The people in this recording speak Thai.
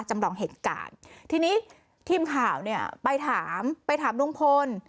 จำลองเหตุการณ์ทีนี้ทีมข่าวเนี่ยไปถามไปถามลุงพล